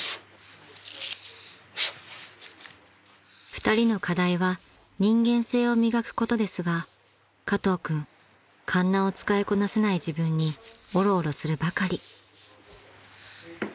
［２人の課題は人間性を磨くことですが加藤君かんなを使いこなせない自分におろおろするばかり］